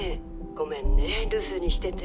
ごめんね留守にしてて。